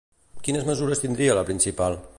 Quines mesures tindria la principal?